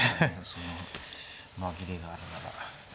その紛れがあるなら。